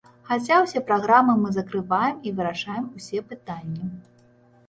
Хаця ўсе праграмы мы закрываем і вырашаем усе пытанні.